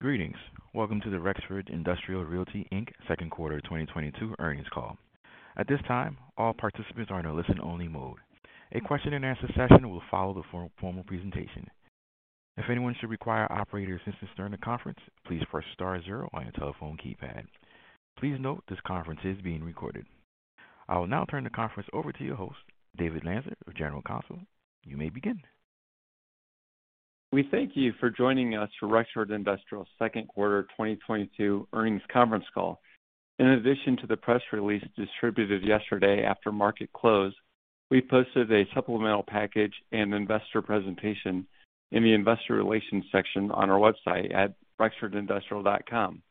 Greetings. Welcome to the Rexford Industrial Realty, Inc. second quarter 2022 earnings call. At this time, all participants are in a listen only mode. A question and answer session will follow the formal presentation. If anyone should require operator assistance during the conference, please press star zero on your telephone keypad. Please note this conference is being recorded. I will now turn the conference over to your host, David Lanzer, General Counsel. You may begin. We thank you for joining us for Rexford Industrial second quarter 2022 earnings conference call. In addition to the press release distributed yesterday after market close, we posted a supplemental package and investor presentation in the investor relations section on our website at rexfordindustrial.com.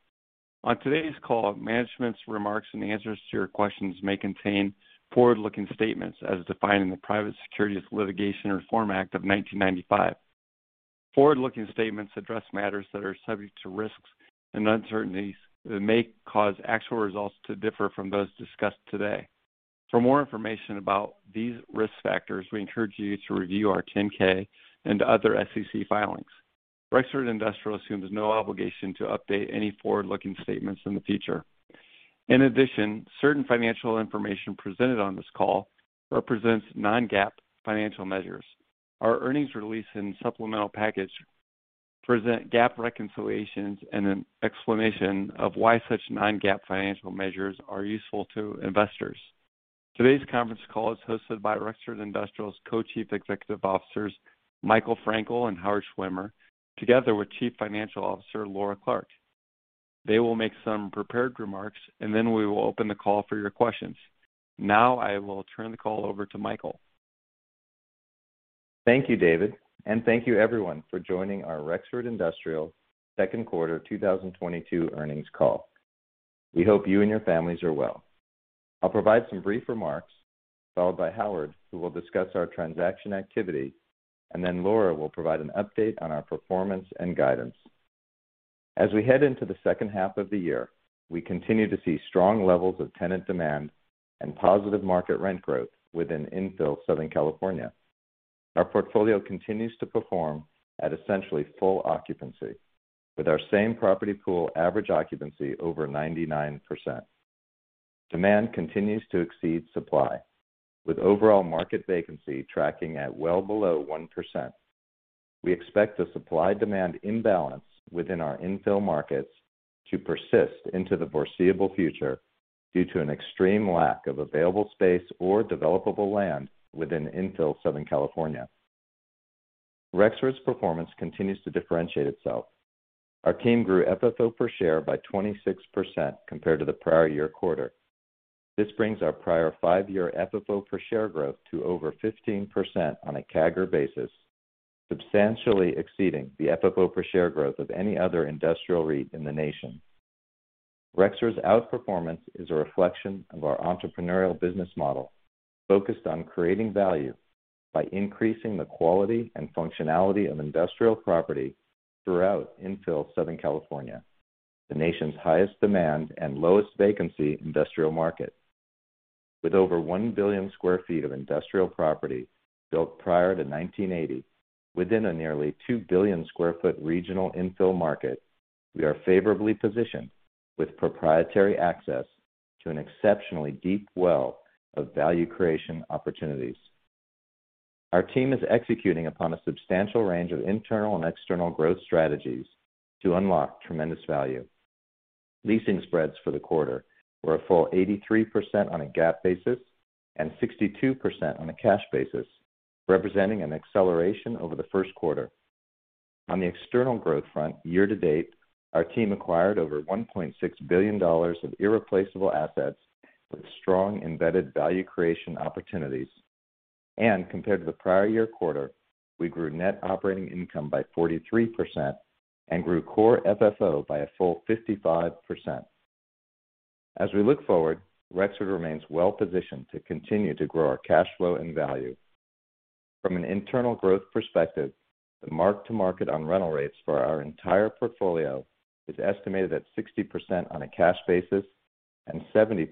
On today's call, management's remarks and answers to your questions may contain forward-looking statements as defined in the Private Securities Litigation Reform Act of 1995. Forward-looking statements address matters that are subject to risks and uncertainties that may cause actual results to differ from those discussed today. For more information about these risk factors, we encourage you to review our 10-K and other SEC filings. Rexford Industrial assumes no obligation to update any forward-looking statements in the future. In addition, certain financial information presented on this call represents non-GAAP financial measures. Our earnings release and supplemental package present GAAP reconciliations and an explanation of why such non-GAAP financial measures are useful to investors. Today's conference call is hosted by Rexford Industrial's Co-Chief Executive Officers, Michael Frankel and Howard Schwimmer, together with Chief Financial Officer, Laura Clark. They will make some prepared remarks, and then we will open the call for your questions. Now I will turn the call over to Michael. Thank you, David, and thank you everyone for joining our Rexford Industrial second quarter 2022 earnings call. We hope you and your families are well. I'll provide some brief remarks followed by Howard, who will discuss our transaction activity, and then Laura will provide an update on our performance and guidance. As we head into the second half of the year, we continue to see strong levels of tenant demand and positive market rent growth within infill Southern California. Our portfolio continues to perform at essentially full occupancy with our same property pool average occupancy over 99%. Demand continues to exceed supply with overall market vacancy tracking at well below 1%. We expect the supply demand imbalance within our infill markets to persist into the foreseeable future due to an extreme lack of available space or developable land within infill Southern California. Rexford's performance continues to differentiate itself. Our team grew FFO per share by 26% compared to the prior year quarter. This brings our prior five-year FFO per share growth to over 15% on a CAGR basis, substantially exceeding the FFO per share growth of any other industrial REIT in the nation. Rexford's outperformance is a reflection of our entrepreneurial business model focused on creating value by increasing the quality and functionality of industrial property throughout infill Southern California, the nation's highest demand and lowest vacancy industrial market. With over 1 billion sq ft of industrial property built prior to 1980 within a nearly 2 billion sq ft regional infill market, we are favorably positioned with proprietary access to an exceptionally deep well of value creation opportunities. Our team is executing upon a substantial range of internal and external growth strategies to unlock tremendous value. Leasing spreads for the quarter were a full 83% on a GAAP basis and 62% on a cash basis, representing an acceleration over the first quarter. On the external growth front, year to date, our team acquired over $1.6 billion of irreplaceable assets with strong embedded value creation opportunities. Compared to the prior year quarter, we grew net operating income by 43% and grew Core FFO by a full 55%. As we look forward, Rexford remains well positioned to continue to grow our cash flow and value. From an internal growth perspective, the mark to market on rental rates for our entire portfolio is estimated at 60% on a cash basis and 70%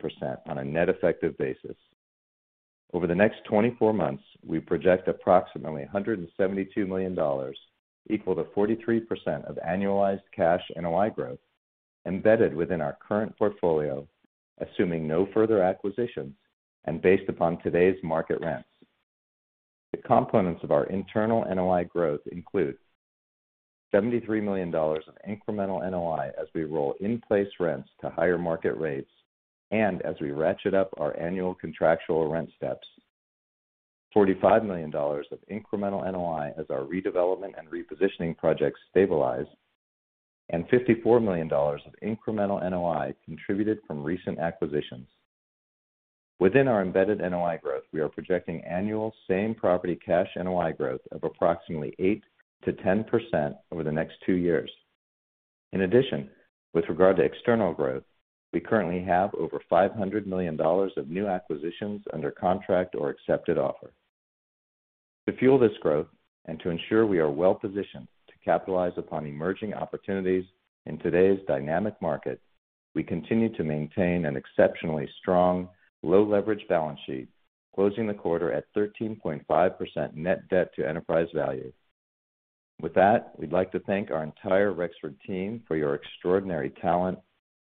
on a net effective basis. Over the next 24 months, we project approximately $172 million equal to 43% of annualized cash NOI growth embedded within our current portfolio, assuming no further acquisitions and based upon today's market rents. The components of our internal NOI growth include $73 million of incremental NOI as we roll in place rents to higher market rates and as we ratchet up our annual contractual rent steps. $45 million of incremental NOI as our redevelopment and repositioning projects stabilize, and $54 million of incremental NOI contributed from recent acquisitions. Within our embedded NOI growth, we are projecting annual same property cash NOI growth of approximately 8%-10% over the next two years. In addition, with regard to external growth, we currently have over $500 million of new acquisitions under contract or accepted offer. To fuel this growth and to ensure we are well positioned to capitalize upon emerging opportunities in today's dynamic market, we continue to maintain an exceptionally strong low leverage balance sheet, closing the quarter at 13.5% net debt to enterprise value. With that, we'd like to thank our entire Rexford team for your extraordinary talent,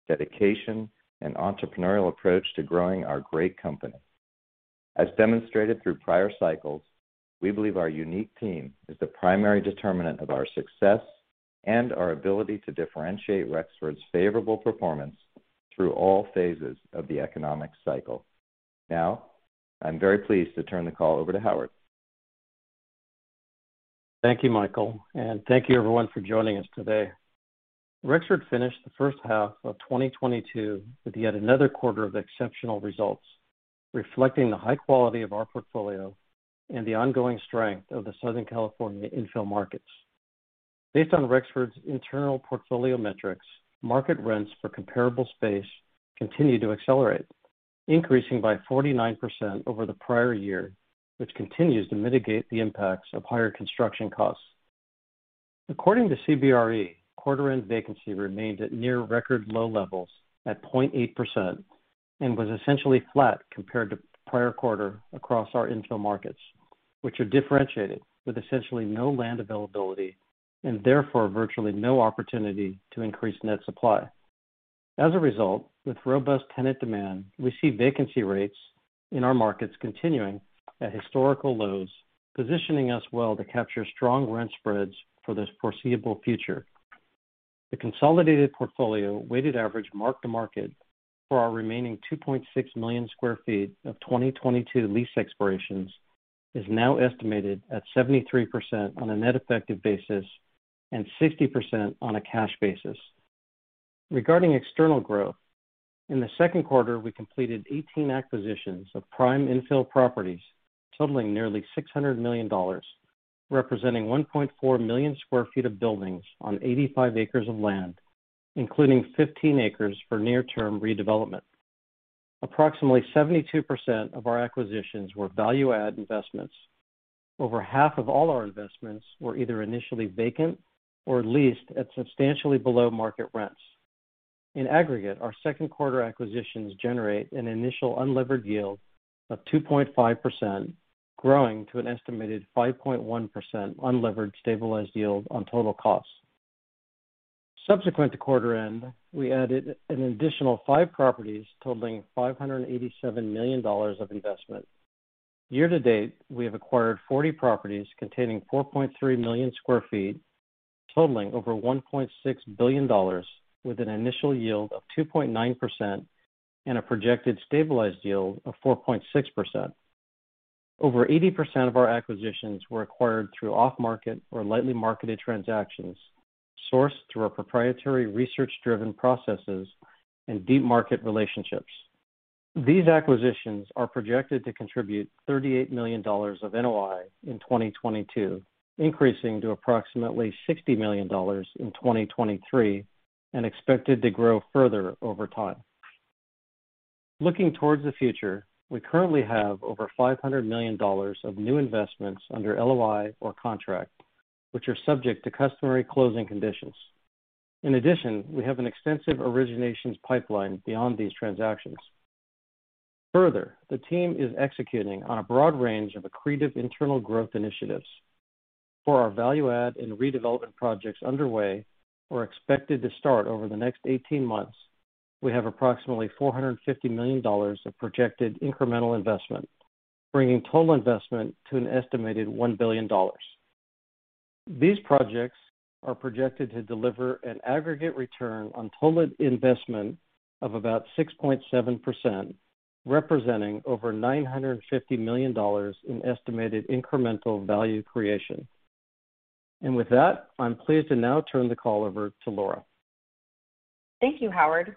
dedication, and entrepreneurial approach to growing our great company. As demonstrated through prior cycles, we believe our unique team is the primary determinant of our success and our ability to differentiate Rexford's favorable performance through all phases of the economic cycle. Now, I'm very pleased to turn the call over to Howard. Thank you, Michael, and thank you everyone for joining us today. Rexford finished the first half of 2022 with yet another quarter of exceptional results, reflecting the high quality of our portfolio and the ongoing strength of the Southern California infill markets. Based on Rexford's internal portfolio metrics, market rents for comparable space continued to accelerate, increasing by 49% over the prior year, which continues to mitigate the impacts of higher construction costs. According to CBRE, quarter-end vacancy remains at near record low levels at 0.8% and was essentially flat compared to prior quarter across our infill markets, which are differentiated with essentially no land availability and therefore virtually no opportunity to increase net supply. As a result, with robust tenant demand, we see vacancy rates in our markets continuing at historical lows, positioning us well to capture strong rent spreads for this foreseeable future. The consolidated portfolio weighted average mark-to-market for our remaining 2.6 million sq ft of 2022 lease expirations is now estimated at 73% on a net effective basis and 60% on a cash basis. Regarding external growth, in the second quarter, we completed 18 acquisitions of prime infill properties totaling nearly $600 million, representing 1.4 million sq ft of buildings on 85 acres of land, including 15 acres for near term redevelopment. Approximately 72% of our acquisitions were value add investments. Over half of all our investments were either initially vacant or leased at substantially below market rents. In aggregate, our second quarter acquisitions generate an initial unlevered yield of 2.5%, growing to an estimated 5.1% unlevered stabilized yield on total costs. Subsequent to quarter end, we added an additional five properties totaling $587 million of investment. Year to date, we have acquired 40 properties containing 4.3 million sq ft, totaling over $1.6 billion with an initial yield of 2.9% and a projected stabilized yield of 4.6%. Over 80% of our acquisitions were acquired through off-market or lightly marketed transactions sourced through our proprietary research driven processes and deep market relationships. These acquisitions are projected to contribute $38 million of NOI in 2022, increasing to approximately $60 million in 2023 and expected to grow further over time. Looking towards the future, we currently have over $500 million of new investments under LOI or contract, which are subject to customary closing conditions. In addition, we have an extensive originations pipeline beyond these transactions. Further, the team is executing on a broad range of accretive internal growth initiatives. For our value add and redevelopment projects underway or expected to start over the next 18 months, we have approximately $450 million of projected incremental investment, bringing total investment to an estimated $1 billion. These projects are projected to deliver an aggregate return on total investment of about 6.7%, representing over $950 million in estimated incremental value creation. With that, I'm pleased to now turn the call over to Laura. Thank you, Howard.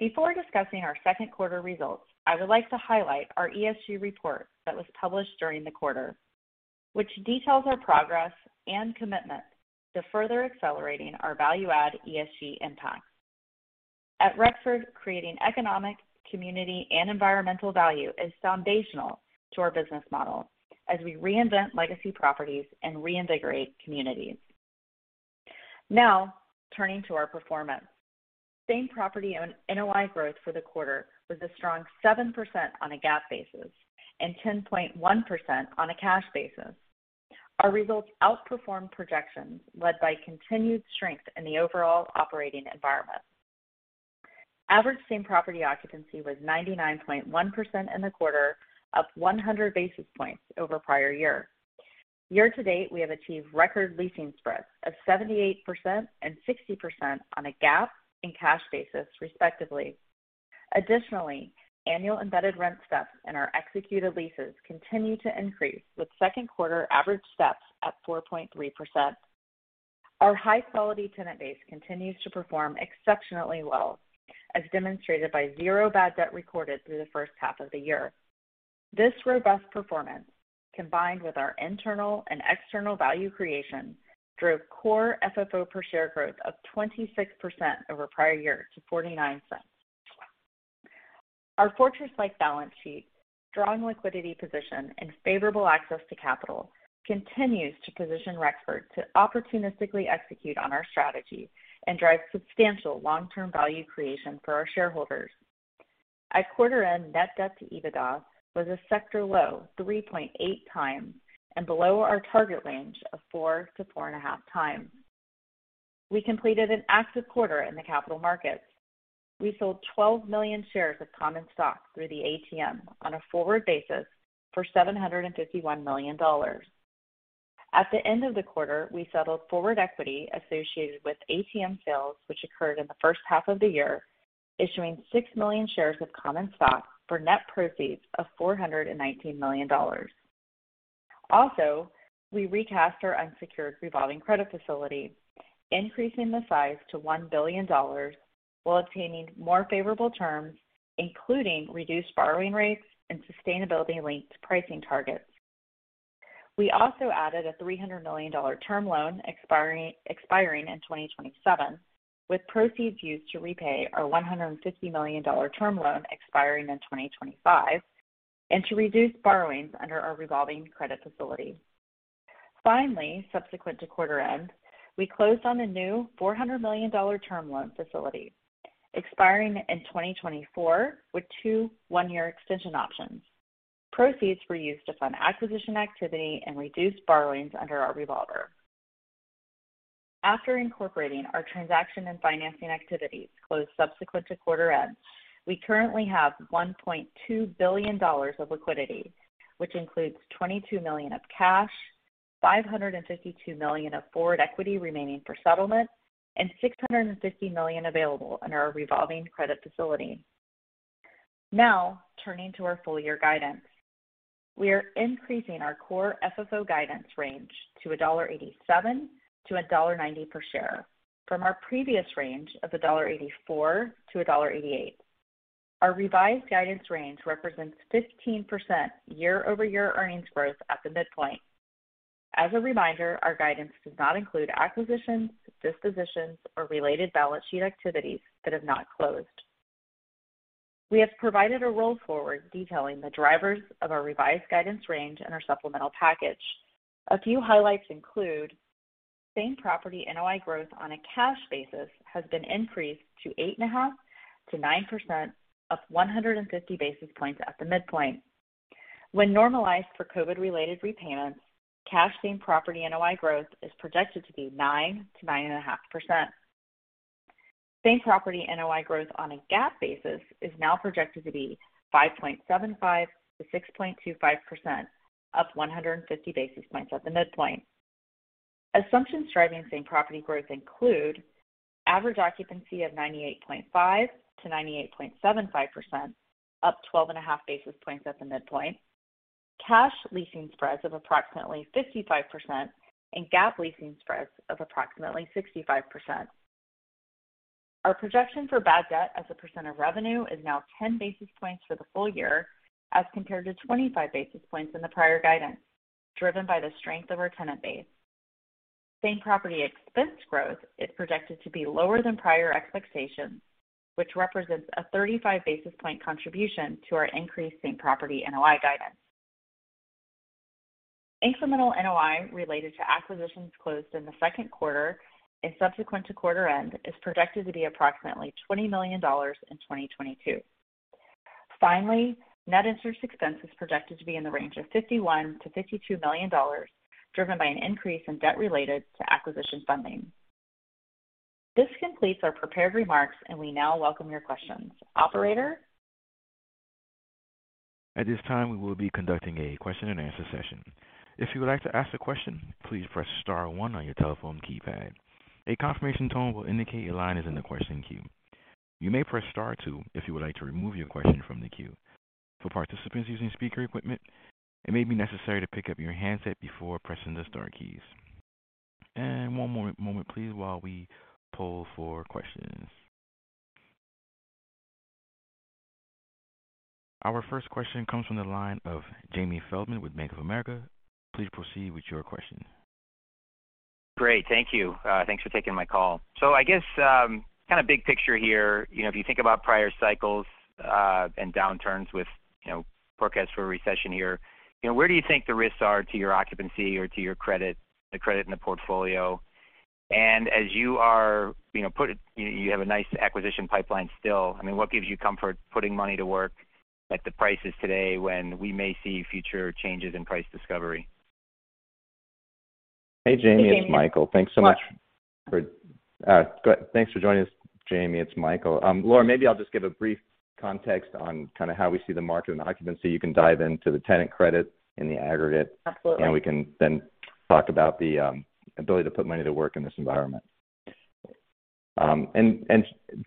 Before discussing our second quarter results, I would like to highlight our ESG report that was published during the quarter, which details our progress and commitment to further accelerating our value add ESG impact. At Rexford, creating economic, community, and environmental value is foundational to our business model as we reinvent legacy properties and reinvigorate communities. Now, turning to our performance. Same property NOI growth for the quarter was a strong 7% on a GAAP basis and 10.1% on a cash basis. Our results outperformed projections led by continued strength in the overall operating environment. Average same property occupancy was 99.1% in the quarter, up 100 basis points over prior year. Year to date, we have achieved record leasing spreads of 78% and 60% on a GAAP and cash basis, respectively. Additionally, annual embedded rent steps in our executed leases continue to increase, with second quarter average steps at 4.3%. Our high quality tenant base continues to perform exceptionally well, as demonstrated by zero bad debt recorded through the first half of the year. This robust performance, combined with our internal and external value creation, drove Core FFO per share growth of 26% over prior year to $0.49. Our fortress like balance sheet, strong liquidity position, and favorable access to capital continues to position Rexford to opportunistically execute on our strategy and drive substantial long-term value creation for our shareholders. At quarter end, net debt to EBITDA was a sector low 3.8x and below our target range of 4x-4.5x. We completed an active quarter in the capital markets. We sold 12 million shares of common stock through the ATM on a forward basis for $751 million. At the end of the quarter, we settled forward equity associated with ATM sales, which occurred in the first half of the year, issuing 6 million shares of common stock for net proceeds of $419 million. Also, we recast our unsecured revolving credit facility, increasing the size to $1 billion while obtaining more favorable terms, including reduced borrowing rates and sustainability-linked pricing targets. We also added a $300 million term loan expiring in 2027, with proceeds used to repay our $150 million term loan expiring in 2025 and to reduce borrowings under our revolving credit facility. Finally, subsequent to quarter end, we closed on a new $400 million term loan facility expiring in 2024 with two one-year extension options. Proceeds were used to fund acquisition activity and reduce borrowings under our revolver. After incorporating our transaction and financing activities closed subsequent to quarter end, we currently have $1.2 billion of liquidity, which includes $22 million of cash, $552 million of forward equity remaining for settlement, and $650 million available under our revolving credit facility. Now turning to our full year guidance. We are increasing our Core FFO guidance range to $1.87-$1.90 per share from our previous range of $1.84-$1.88. Our revised guidance range represents 15% year-over-year earnings growth at the midpoint. As a reminder, our guidance does not include acquisitions, dispositions, or related balance sheet activities that have not closed. We have provided a roll forward detailing the drivers of our revised guidance range in our supplemental package. A few highlights include same property NOI growth on a cash basis has been increased to 8.5%-9%, up 150 basis points at the midpoint. When normalized for COVID-related repayments, cash same-property NOI growth is projected to be 9%-9.5%. Same-property NOI growth on a GAAP basis is now projected to be 5.75%-6.25%, up 150 basis points at the midpoint. Assumptions driving same-property growth include average occupancy of 98.5%-98.75%, up 12.5 basis points at the midpoint. Cash leasing spreads of approximately 55% and GAAP leasing spreads of approximately 65%. Our projection for bad debt as a percent of revenue is now 10 basis points for the full year as compared to 25 basis points in the prior guidance, driven by the strength of our tenant base. Same-property expense growth is projected to be lower than prior expectations, which represents a 35 basis points contribution to our increasing property NOI guidance. Incremental NOI related to acquisitions closed in the second quarter and subsequent to quarter end is projected to be approximately $20 million in 2022. Finally, net interest expense is projected to be in the range of $51 million-$52 million, driven by an increase in debt related to acquisition funding. This completes our prepared remarks, and we now welcome your questions. Operator? At this time, we will be conducting a question-and-answer session. If you would like to ask a question, please press star one on your telephone keypad. A confirmation tone will indicate your line is in the question queue. You may press star two if you would like to remove your question from the queue. For participants using speaker equipment, it may be necessary to pick up your handset before pressing the star keys. One more moment please while we poll for questions. Our first question comes from the line of Jamie Feldman with Bank of America. Please proceed with your question. Great. Thank you. Thanks for taking my call. I guess, kind of big picture here. You know, if you think about prior cycles and downturns with, you know, forecasts for a recession here, you know, where do you think the risks are to your occupancy or to your credit, the credit in the portfolio? As you put it, you have a nice acquisition pipeline still, I mean, what gives you comfort putting money to work at the prices today when we may see future changes in price discovery? Hey, Jamie. It's Michael. Thanks for joining us, Jamie. Laura, maybe I'll just give a brief context on kind of how we see the market and occupancy. You can dive into the tenant credit in the aggregate. Absolutely. We can then talk about the ability to put money to work in this environment.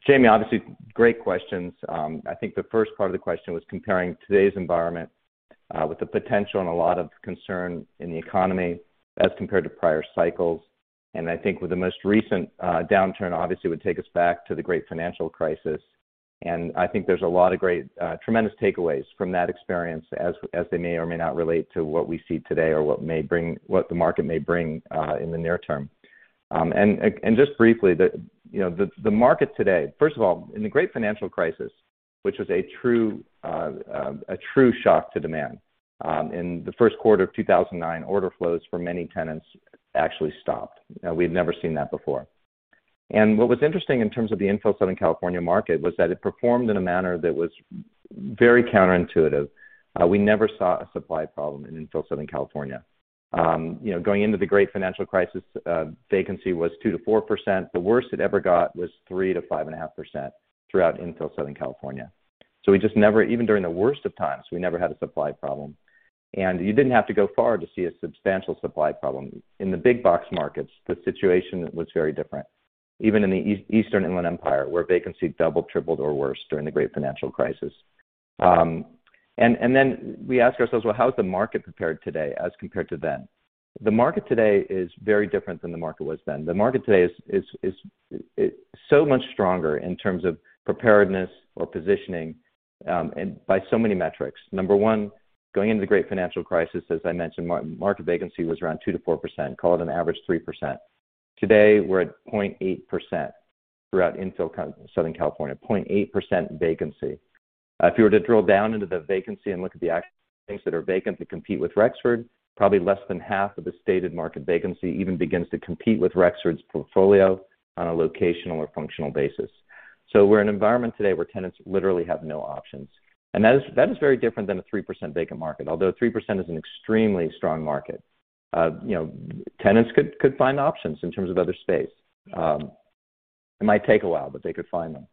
Jamie, obviously, great questions. I think the first part of the question was comparing today's environment with the potential and a lot of concern in the economy as compared to prior cycles. I think with the most recent downturn obviously would take us back to the great financial crisis. I think there's a lot of tremendous takeaways from that experience as they may or may not relate to what we see today or what the market may bring in the near term. Just briefly, you know, the market today. First of all, in the Great Financial Crisis, which was a true shock to demand, in the first quarter of 2009, order flows for many tenants actually stopped. We'd never seen that before. What was interesting in terms of the infill Southern California market was that it performed in a manner that was very counterintuitive. We never saw a supply problem in infill Southern California. You know, going into the great financial crisis, vacancy was 2%-4%. The worst it ever got was 3%-5.5% throughout infill Southern California. We just never had a supply problem. Even during the worst of times, we never had a supply problem. You didn't have to go far to see a substantial supply problem. In the big box markets, the situation was very different, even in the Eastern Inland Empire, where vacancy doubled, tripled, or worse during the great financial crisis. And then we ask ourselves, well, how is the market prepared today as compared to then? The market today is very different than the market was then. The market today is so much stronger in terms of preparedness or positioning, and by so many metrics. Number one, going into the great financial crisis, as I mentioned, market vacancy was around 2%-4%, call it an average 3%. Today, we're at 0.8% throughout infill Southern California, 0.8% vacancy. If you were to drill down into the vacancy and look at the things that are vacant to compete with Rexford, probably less than half of the stated market vacancy even begins to compete with Rexford's portfolio on a locational or functional basis. We're in an environment today where tenants literally have no options, and that is very different than a 3% vacant market. Although 3% is an extremely strong market. You know, tenants could find options in terms of other space. It might take a while, but they could find them.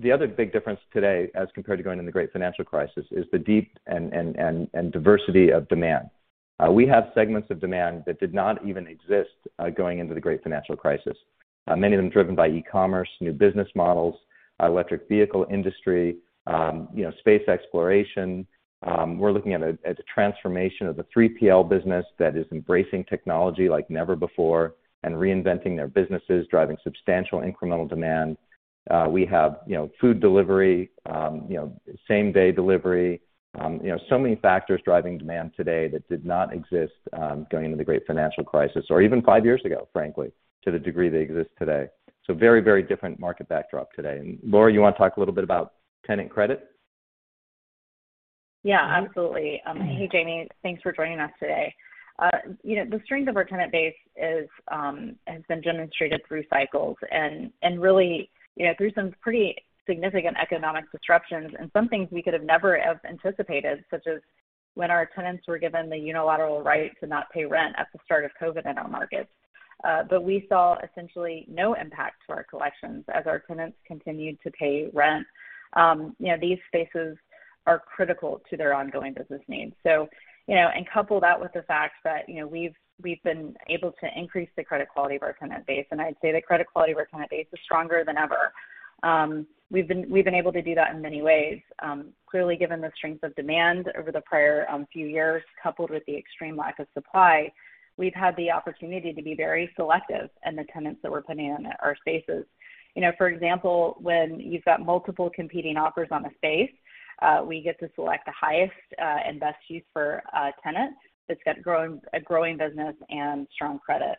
The other big difference today, as compared to going in the great financial crisis, is the deep and diversity of demand. We have segments of demand that did not even exist, going into the great financial crisis. Many of them driven by e-commerce, new business models, electric vehicle industry, you know, space exploration. We're looking at a transformation of the 3PL business that is embracing technology like never before and reinventing their businesses, driving substantial incremental demand. We have, you know, food delivery, you know, same-day delivery. You know, so many factors driving demand today that did not exist, going into the great financial crisis or even five years ago, frankly, to the degree they exist today. Very, very different market backdrop today. Laura, you want to talk a little bit about tenant credit? Yeah, absolutely. Hey, Jamie, thanks for joining us today. You know, the strength of our tenant base has been demonstrated through cycles and really, you know, through some pretty significant economic disruptions. Some things we could have never anticipated, such as when our tenants were given the unilateral right to not pay rent at the start of COVID in our markets. We saw essentially no impact to our collections as our tenants continued to pay rent. You know, these spaces are critical to their ongoing business needs. You know, couple that with the fact that, you know, we've been able to increase the credit quality of our tenant base, and I'd say the credit quality of our tenant base is stronger than ever. We've been able to do that in many ways. Clearly, given the strength of demand over the prior few years, coupled with the extreme lack of supply, we've had the opportunity to be very selective in the tenants that we're putting in our spaces. You know, for example, when you've got multiple competing offers on a space, we get to select the highest and best use for a tenant that's got growing business and strong credit.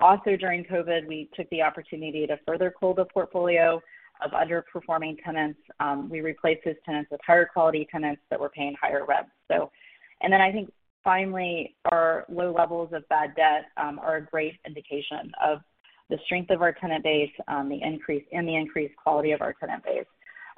Also during COVID, we took the opportunity to further cull the portfolio of underperforming tenants. We replaced those tenants with higher quality tenants that were paying higher rent. I think finally, our low levels of bad debt are a great indication of the strength of our tenant base, the increased quality of our tenant base.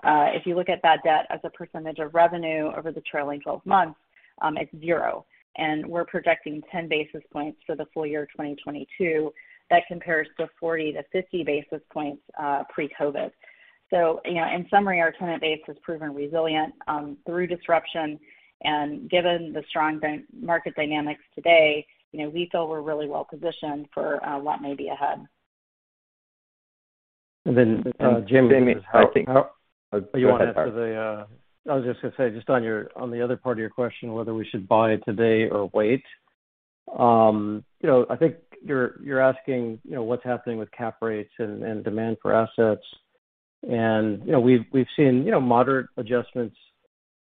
If you look at bad debt as a percentage of revenue over the trailing twelve months, it's zero, and we're projecting 10 basis points for the full year 2022. That compares to 40-50 basis points pre-COVID. You know, in summary, our tenant base has proven resilient through disruption. Given the strong market dynamics today, you know, we feel we're really well positioned for what may be ahead. Jamie Jamie, I think- Go ahead, Howard. I was just gonna say, just on the other part of your question, whether we should buy today or wait. You know, I think you're asking, you know, what's happening with cap rates and demand for assets. You know, we've seen, you know, moderate adjustments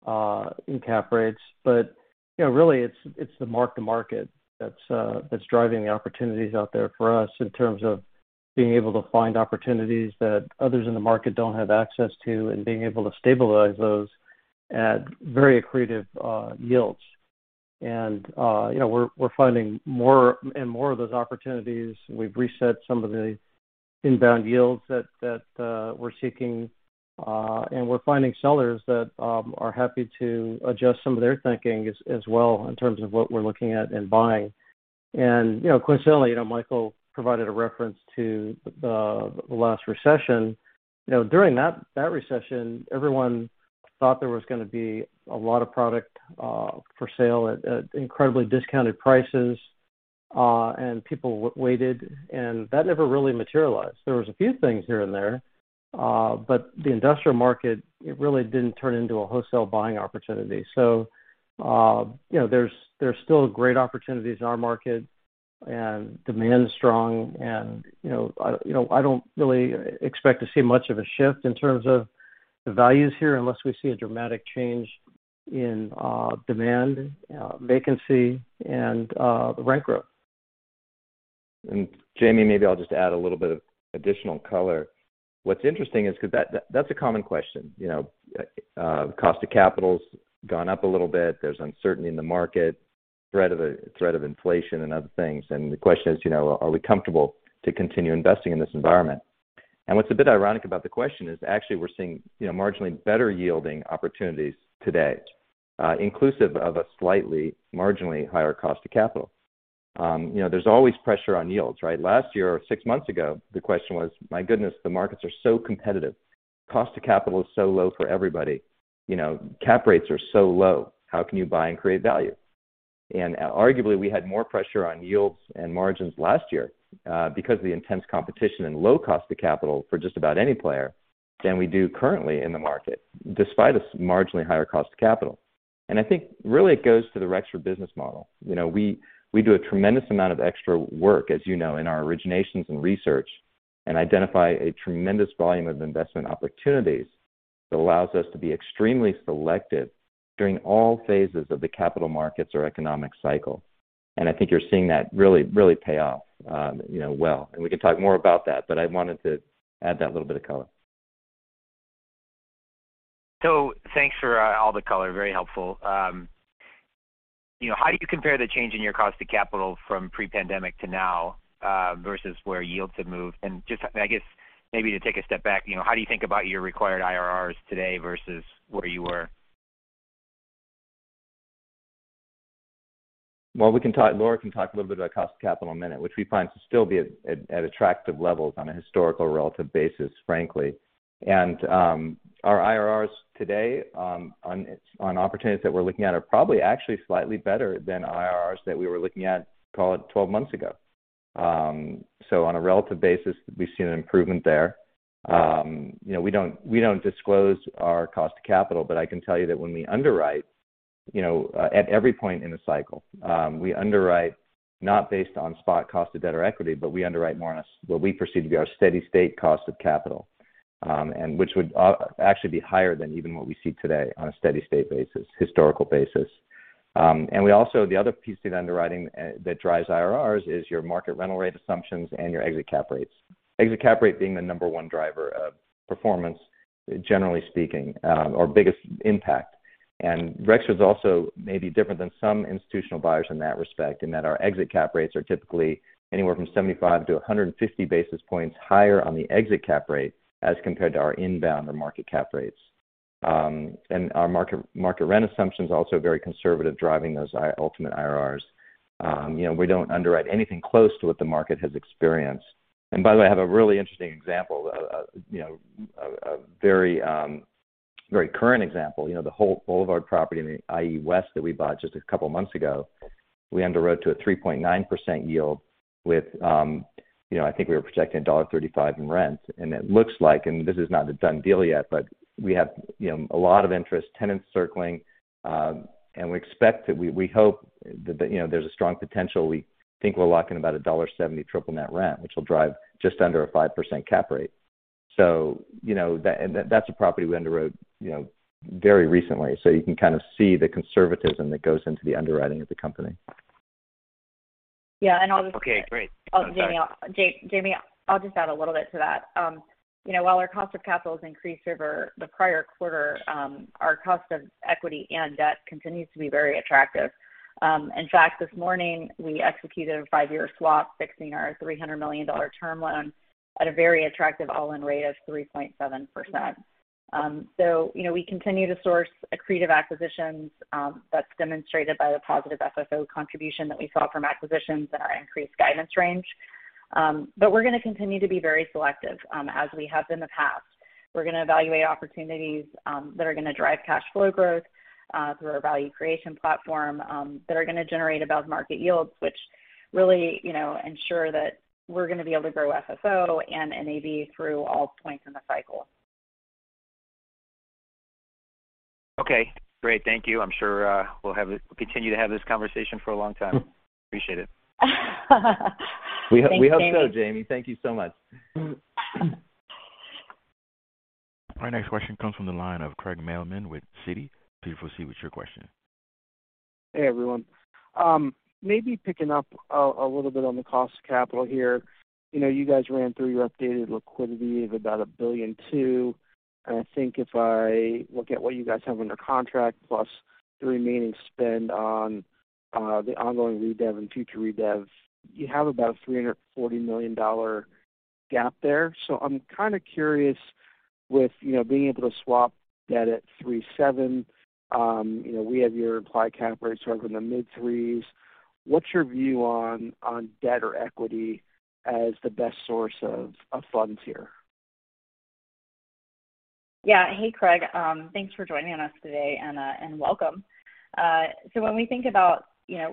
in cap rates, but, you know, really it's the mark-to-market that's driving the opportunities out there for us in terms of being able to find opportunities that others in the market don't have access to and being able to stabilize those at very accretive yields. You know, we're finding more and more of those opportunities. We've reset some of the inbound yields that we're seeking. We're finding sellers that are happy to adjust some of their thinking as well in terms of what we're looking at and buying. You know, coincidentally, you know, Michael provided a reference to the last recession. You know, during that recession, everyone thought there was gonna be a lot of product for sale at incredibly discounted prices, and people waited, and that never really materialized. There were a few things here and there, but the industrial market really didn't turn into a wholesale buying opportunity. You know, there's still great opportunities in our market, and demand is strong. You know, I don't really expect to see much of a shift in terms of the values here unless we see a dramatic change in demand, vacancy, and rent growth. Jamie, maybe I'll just add a little bit of additional color. What's interesting is, 'cause that's a common question, you know. Cost of capital's gone up a little bit. There's uncertainty in the market. Threat of inflation and other things. The question is, you know, are we comfortable to continue investing in this environment? What's a bit ironic about the question is actually we're seeing, you know, marginally better yielding opportunities today, inclusive of a slightly marginally higher cost of capital. You know, there's always pressure on yields, right? Last year or six months ago, the question was, my goodness, the markets are so competitive. Cost of capital is so low for everybody. You know, cap rates are so low. How can you buy and create value? Arguably, we had more pressure on yields and margins last year, because of the intense competition and low cost of capital for just about any player than we do currently in the market, despite this marginally higher cost of capital. I think really it goes to the Rexford business model. You know, we do a tremendous amount of extra work, as you know, in our originations and research, and identify a tremendous volume of investment opportunities that allows us to be extremely selective during all phases of the capital markets or economic cycle. I think you're seeing that really, really pay off, you know, well. We can talk more about that, but I wanted to add that little bit of color. Thanks for all the color. Very helpful. You know, how do you compare the change in your cost of capital from pre-pandemic to now versus where yields have moved? Just I guess maybe to take a step back, you know, how do you think about your required IRRs today versus where you were? Well, we can talk. Laura can talk a little bit about cost of capital in a minute, which we find to still be at attractive levels on a historical relative basis, frankly. Our IRRs today, on opportunities that we're looking at are probably actually slightly better than IRRs that we were looking at, call it 12 months ago. On a relative basis, we've seen an improvement there. You know, we don't disclose our cost of capital, but I can tell you that when we underwrite, you know, at every point in the cycle, we underwrite not based on spot cost of debt or equity, but we underwrite more on what we perceive to be our steady state cost of capital, and which would actually be higher than even what we see today on a steady state basis, historical basis. We also, the other piece of underwriting that drives IRRs is your market rental rate assumptions and your exit cap rates. Exit cap rate being the number one driver of performance, generally speaking, or biggest impact. Rexford's also may be different than some institutional buyers in that respect, in that our exit cap rates are typically anywhere from 75 to 150 basis points higher on the exit cap rate as compared to our inbound or market cap rates. Our market rent assumption is also very conservative, driving those ultimate IRRs. You know, we don't underwrite anything close to what the market has experienced. By the way, I have a really interesting example. You know, a very current example. You know, the Holt Boulevard property in the IE West that we bought just a couple months ago, we underwrote to a 3.9% yield with, you know, I think we were projecting $1.35 in rent. It looks like, and this is not a done deal yet, but we have, you know, a lot of interest, tenants circling. We expect that we hope that, you know, there's a strong potential. We think we'll lock in about $1.70 triple net rent, which will drive just under a 5% cap rate. You know that and that's a property we underwrote, you know, very recently. You can kind of see the conservatism that goes into the underwriting of the company. Yeah. I'll just- Okay, great. Jamie, I'll just add a little bit to that. You know, while our cost of capital has increased over the prior quarter, our cost of equity and debt continues to be very attractive. In fact, this morning we executed a five-year swap, fixing our $300 million term loan at a very attractive all-in rate of 3.7%. You know, we continue to source accretive acquisitions, that's demonstrated by the positive FFO contribution that we saw from acquisitions and our increased guidance range. We're gonna continue to be very selective, as we have in the past. We're gonna evaluate opportunities, that are gonna drive cash flow growth, through our value creation platform, that are gonna generate above market yields, which really, you know, ensure that we're gonna be able to grow FFO and NAV through all points in the cycle. Okay, great. Thank you. I'm sure we'll continue to have this conversation for a long time. Appreciate it. We hope so, Jamie. Thank you so much. Our next question comes from the line of Craig Mailman with Citi. Please proceed with your question. Hey, everyone. Maybe picking up a little bit on the cost of capital here. You know, you guys ran through your updated liquidity of about $1.2 billion, and I think if I look at what you guys have under contract plus the remaining spend on the ongoing redev and future redevs, you have about a $340 million gap there. I'm kind of curious with, you know, being able to swap debt at 3.7, you know, we have your implied cap rate sort of in the mid threes. What's your view on debt or equity as the best source of funds here? Yeah. Hey, Craig. Thanks for joining us today and welcome. When we think about, you know,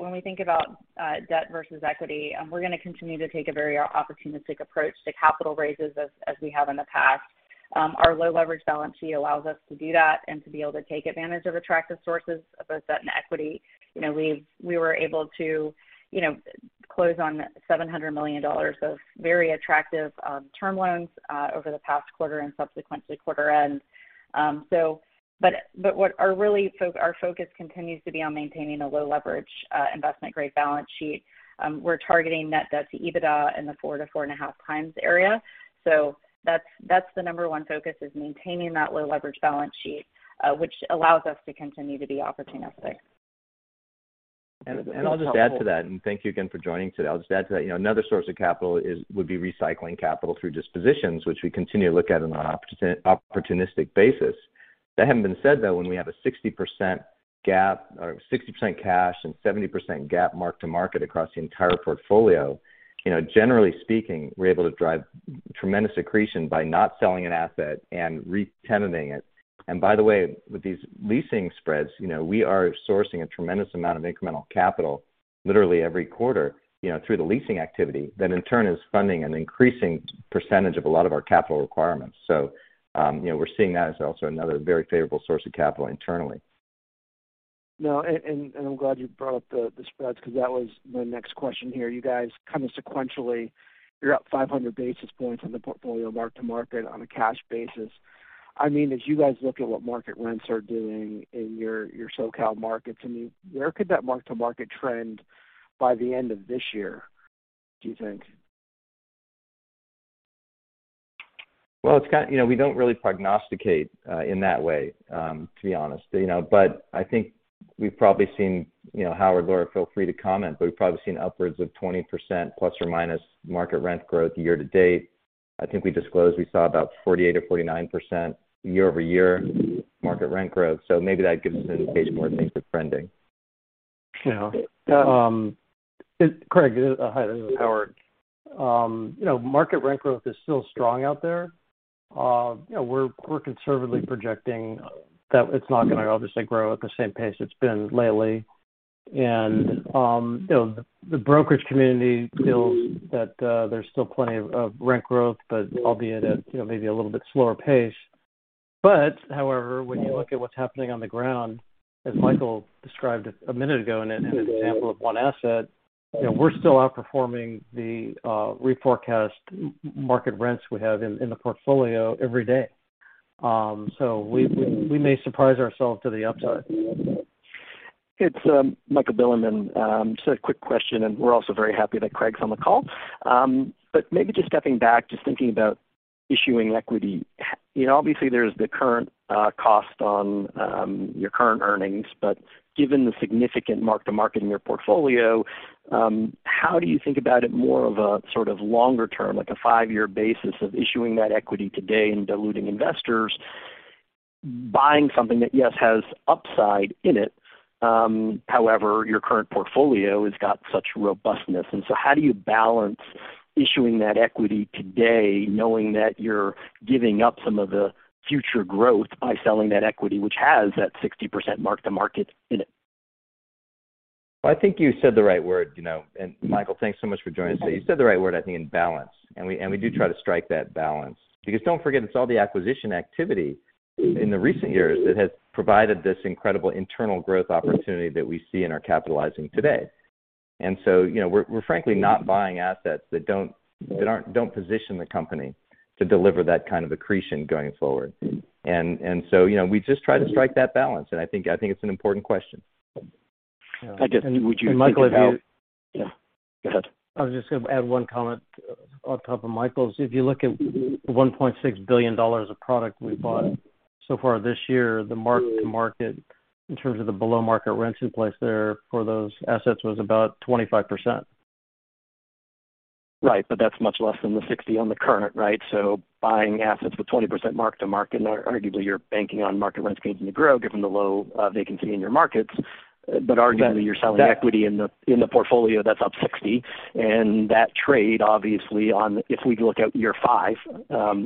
debt versus equity, we're gonna continue to take a very opportunistic approach to capital raises as we have in the past. Our low leverage balance sheet allows us to do that and to be able to take advantage of attractive sources of both debt and equity. You know, we were able to, you know, close on $700 million of very attractive term loans over the past quarter and, subsequent to quarter end. Our focus continues to be on maintaining a low leverage investment grade balance sheet. We're targeting net debt to EBITDA in the 4x-4.5x area. That's the number one focus, is maintaining that low leverage balance sheet, which allows us to continue to be opportunistic. I'll just add to that, and thank you again for joining today. I'll just add to that. You know, another source of capital would be recycling capital through dispositions, which we continue to look at on an opportunistic basis. That having been said, though, when we have a 60% gap or 60% cash and 70% gap mark-to-market across the entire portfolio, you know, generally speaking, we're able to drive tremendous accretion by not selling an asset and re-tenanting it. And by the way, with these leasing spreads, you know, we are sourcing a tremendous amount of incremental capital literally every quarter, you know, through the leasing activity that in turn is funding an increasing percentage of a lot of our capital requirements. You know, we're seeing that as also another very favorable source of capital internally. No, I'm glad you brought up the spreads because that was my next question here. You guys kind of sequentially, you're up 500 basis points on the portfolio mark-to-market on a cash basis. I mean, as you guys look at what market rents are doing in your SoCal markets, I mean, where could that mark-to-market trend by the end of this year, do you think? We don't really prognosticate in that way, to be honest. You know, but I think we've probably seen, you know, Howard or Laura, feel free to comment, but we've probably seen upwards of 20% ± market rent growth year-to-date. I think we disclosed we saw about 48% or 49% year-over-year market rent growth. Maybe that gives you an indication where things are trending. Yeah. Craig, hi, this is Howard. You know, market rent growth is still strong out there. You know, we're conservatively projecting that it's not gonna obviously grow at the same pace it's been lately. You know, the brokerage community feels that there's still plenty of rent growth, but albeit at, you know, maybe a little bit slower pace. However, when you look at what's happening on the ground, as Michael described a minute ago in an example of one asset, you know, we're still outperforming the reforecast market rents we have in the portfolio every day. We may surprise ourselves to the upside. It's Michael Bilerman. Just a quick question, and we're also very happy that Craig's on the call. Maybe just stepping back, just thinking about issuing equity. You know, obviously there's the current cost on your current earnings. Given the significant mark-to-market in your portfolio, how do you think about it more of a sort of longer term, like a five-year basis of issuing that equity today and diluting investors buying something that, yes, has upside in it. However, your current portfolio has got such robustness. How do you balance issuing that equity today knowing that you're giving up some of the future growth by selling that equity, which has that 60% mark-to-market in it? I think you said the right word, you know, and Michael, thanks so much for joining us today. You said the right word, I think, in balance. We do try to strike that balance. Because don't forget, it's all the acquisition activity in the recent years that has provided this incredible internal growth opportunity that we see and are capitalizing today. You know, we're frankly not buying assets that don't position the company to deliver that kind of accretion going forward. You know, we just try to strike that balance. I think it's an important question. I just-- Would you think about- Michael, if you- Yeah, go ahead. I was just gonna add one comment on top of Michael's. If you look at $1.6 billion of product we bought so far this year, the mark-to-market in terms of the below-market rents in place there for those assets was about 25%. Right. That's much less than the 60 on the current, right? Buying assets with 20% mark-to-market, and arguably you're banking on market rents continuing to grow given the low vacancy in your markets. Arguably, you're selling equity in the portfolio that's up 60. That trade, obviously, if we look out year 5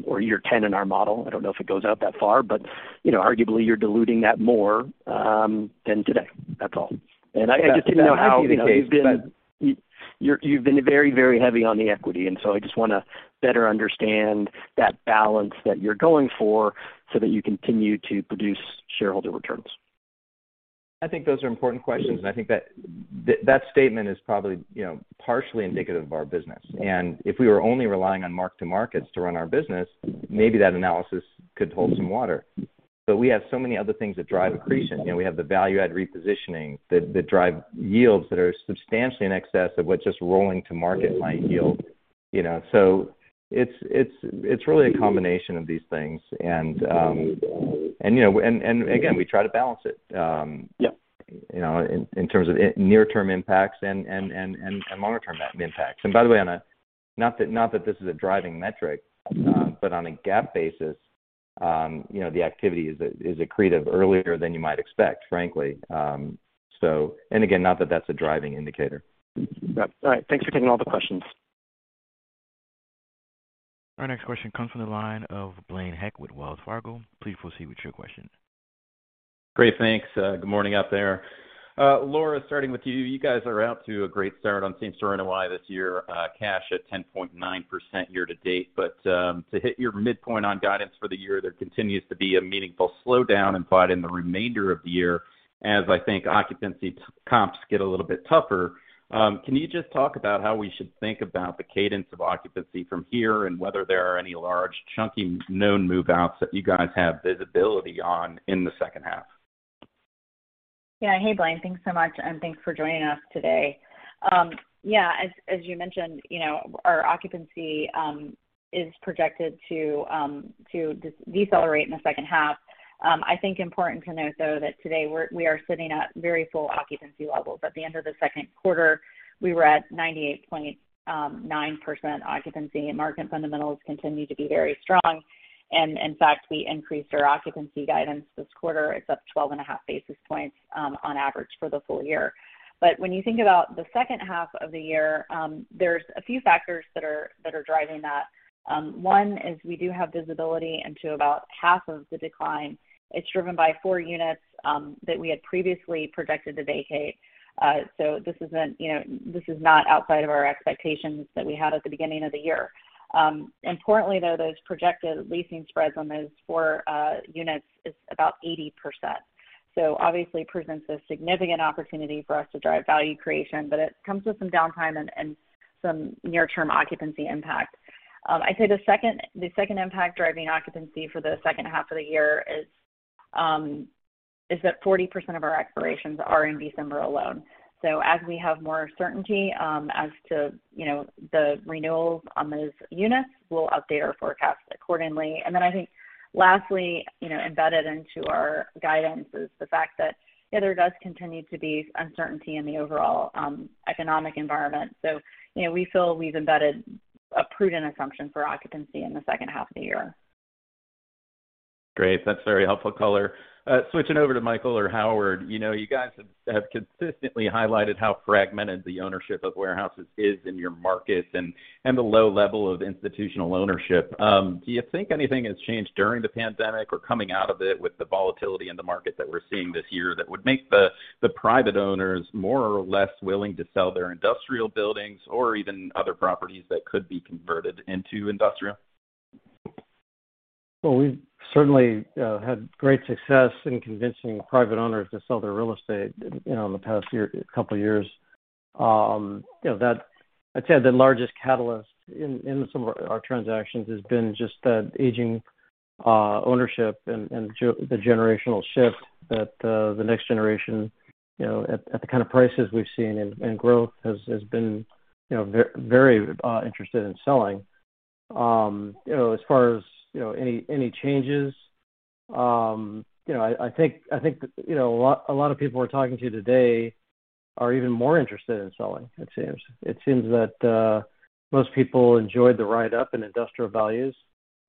or year 10 in our model, I don't know if it goes out that far, but you know, arguably you're diluting that more than today. That's all. I just didn't know how you- That might be the case. You've been very, very heavy on the equity, and so I just wanna better understand that balance that you're going for so that you continue to produce shareholder returns. I think those are important questions, and I think that statement is probably, you know, partially indicative of our business. If we were only relying on mark-to-market to run our business, maybe that analysis could hold some water. We have so many other things that drive accretion. You know, we have the value-add repositioning that drive yields that are substantially in excess of what just rolling to market might yield, you know? It's really a combination of these things. You know, again, we try to balance it. Yeah You know, in terms of near-term impacts and longer-term impact. By the way, not that this is a driving metric, but on a GAAP basis, you know, the activity is accretive earlier than you might expect, frankly. Again, not that that's a driving indicator. Yep. All right. Thanks for taking all the questions. Our next question comes from the line of Blaine Heck with Wells Fargo. Please proceed with your question. Great, thanks. Good morning out there. Laura, starting with you. You guys are out to a great start on same-store NOI this year, cash at 10.9% year to date. To hit your midpoint on guidance for the year, there continues to be a meaningful slowdown implied in the remainder of the year as I think occupancy comps get a little bit tougher. Can you just talk about how we should think about the cadence of occupancy from here and whether there are any large chunky known move-outs that you guys have visibility on in the second half? Yeah. Hey, Blaine. Thanks so much, and thanks for joining us today. Yeah, as you mentioned, you know, our occupancy is projected to decelerate in the second half. I think important to note, though, that today we are sitting at very full occupancy levels. At the end of the second quarter, we were at 98.9% occupancy, and market fundamentals continue to be very strong. In fact, we increased our occupancy guidance this quarter. It's up 12.5 basis points on average for the full year. When you think about the second half of the year, there's a few factors that are driving that. One is we do have visibility into about half of the decline. It's driven by four units that we had previously projected to vacate. This isn't, you know, this is not outside of our expectations that we had at the beginning of the year. Importantly, though, those projected leasing spreads on those four units is about 80%. Obviously presents a significant opportunity for us to drive value creation, but it comes with some downtime and some near term occupancy impact. I'd say the second impact driving occupancy for the second half of the year is that 40% of our expirations are in December alone. As we have more certainty as to, you know, the renewals on those units, we'll update our forecast accordingly. I think lastly, you know, embedded into our guidance is the fact that there does continue to be uncertainty in the overall economic environment. You know, we feel we've embedded a prudent assumption for occupancy in the second half of the year. Great. That's very helpful color. Switching over to Michael or Howard. You know, you guys have consistently highlighted how fragmented the ownership of warehouses is in your markets and the low level of institutional ownership. Do you think anything has changed during the pandemic or coming out of it with the volatility in the market that we're seeing this year that would make the private owners more or less willing to sell their industrial buildings or even other properties that could be converted into industrial? Well, we've certainly had great success in convincing private owners to sell their real estate, you know, in the past year, couple years. You know, that I'd say the largest catalyst in some of our transactions has been just that aging ownership and generational shift that the next generation, you know, at the kind of prices we've seen and growth has been, you know, very interested in selling. You know, as far as any changes, you know, I think, you know, a lot of people we're talking to today are even more interested in selling, it seems. It seems that most people enjoyed the ride up in industrial values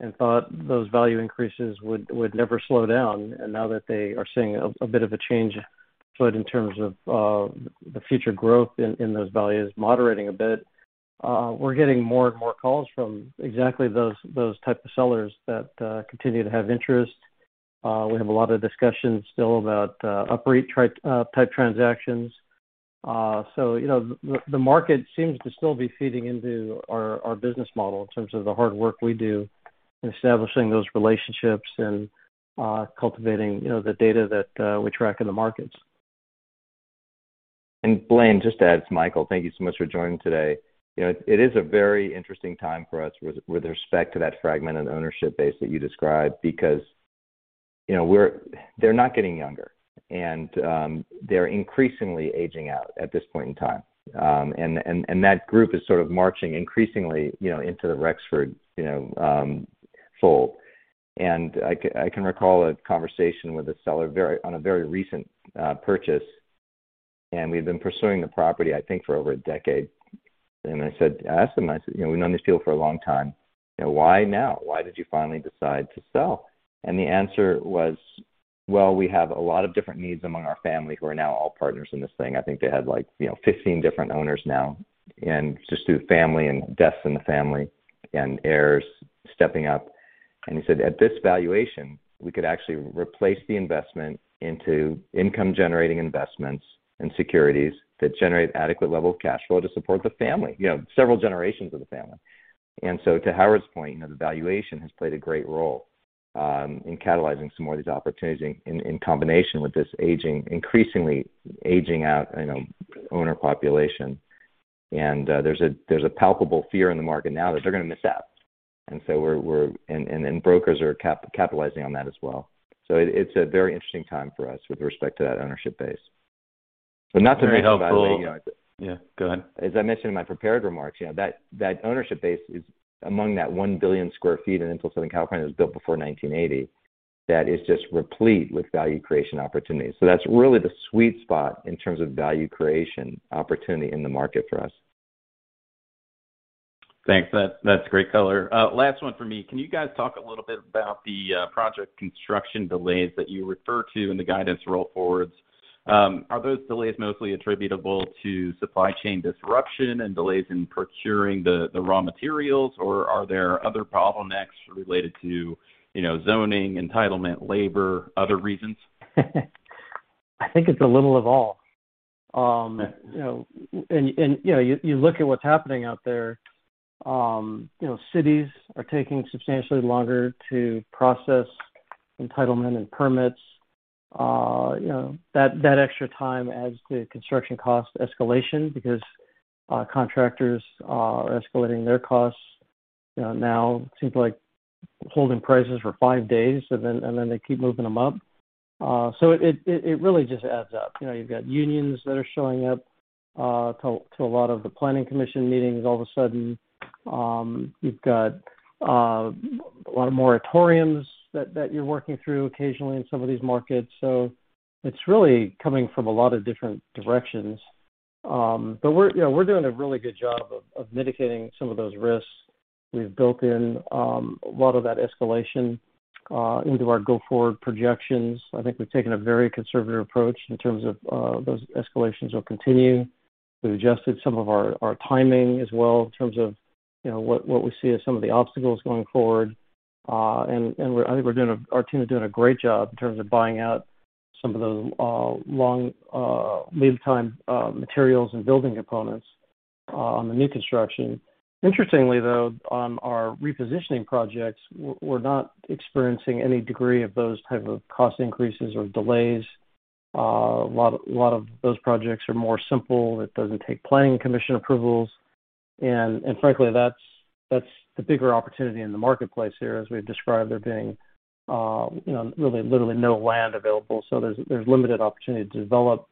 and thought those value increases would never slow down. Now that they are seeing a bit of a change of heart in terms of the future growth in those values moderating a bit, we're getting more and more calls from exactly those type of sellers that continue to have interest. We have a lot of discussions still about OP unit-type transactions. You know, the market seems to still be feeding into our business model in terms of the hard work we do in establishing those relationships and cultivating you know, the data that we track in the markets. Blaine, just to add, it's Michael. Thank you so much for joining today. You know, it is a very interesting time for us with respect to that fragmented ownership base that you described because, you know, they're not getting younger and they're increasingly aging out at this point in time. That group is sort of marching increasingly, you know, into the Rexford, you know, fold. I can recall a conversation with a seller on a very recent purchase, and we've been pursuing the property, I think, for over a decade. I said, I asked him, I said, "You know, we've known these people for a long time. You know, why now? Why did you finally decide to sell?" The answer was, "Well, we have a lot of different needs among our family who are now all partners in this thing." I think they had, like, you know, 15 different owners now and just through family and deaths in the family and heirs stepping up. He said, "At this valuation, we could actually replace the investment into income generating investments and securities that generate adequate level of cash flow to support the family, you know, several generations of the family." To Howard's point, you know, the valuation has played a great role in catalyzing some more of these opportunities in combination with this aging, increasingly aging out, you know, owner population. There's a palpable fear in the market now that they're gonna miss out. Brokers are capitalizing on that as well. It's a very interesting time for us with respect to that ownership base. Not to mention, by the way, you know. Very helpful. Yeah, go ahead. As I mentioned in my prepared remarks, you know, that ownership base is among that 1 billion sq ft in industrial Southern California that was built before 1980 that is just replete with value creation opportunities. That's really the sweet spot in terms of value creation opportunity in the market for us. Thanks. That's great color. Last one from me. Can you guys talk a little bit about the project construction delays that you refer to in the guidance roll-forwards? Are those delays mostly attributable to supply chain disruption and delays in procuring the raw materials, or are there other bottlenecks related to, you know, zoning, entitlement, labor, other reasons? I think it's a little of all. You know, you look at what's happening out there, you know, cities are taking substantially longer to process entitlement and permits. You know, that extra time adds to construction cost escalation because contractors are escalating their costs. Now it seems like holding prices for five days, and then they keep moving them up. It really just adds up. You know, you've got unions that are showing up to a lot of the planning commission meetings all of a sudden. You've got a lot of moratoriums that you're working through occasionally in some of these markets. It's really coming from a lot of different directions. We're, you know, doing a really good job of mitigating some of those risks. We've built in a lot of that escalation into our go-forward projections. I think we've taken a very conservative approach in terms of those escalations will continue. We've adjusted some of our timing as well in terms of, you know, what we see as some of the obstacles going forward. Our team is doing a great job in terms of buying out some of those long lead time materials and building components on the new construction. Interestingly, though, on our repositioning projects, we're not experiencing any degree of those type of cost increases or delays. A lot of those projects are more simple. It doesn't take planning commission approvals. Frankly, that's the bigger opportunity in the marketplace here, as we've described there being, you know, really literally no land available. There's limited opportunity to develop.